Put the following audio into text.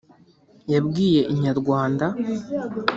yabwiye Inyarwanda